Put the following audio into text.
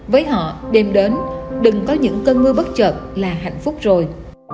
với họ đêm đến đừng có những cơn mưa bất chợt là hạnh phúc rồi